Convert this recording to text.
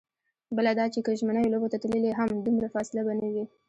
بله دا چې که ژمنیو لوبو ته تللې هم، دومره فاصله به نه وي.